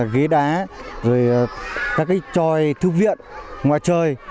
ghế đá các trò thư viện ngoại trời